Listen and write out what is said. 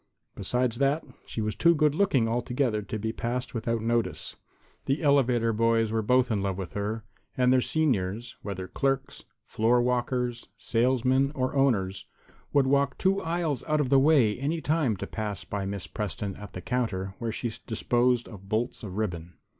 Besides that, she was too good looking altogether to be passed without notice. The elevator boys were both in love with her, and their seniors whether clerks, floor walkers, salesmen or owners would walk two aisles out of the way any time to pass by Miss Preston at the counter where she disposed of bolts of ribbon.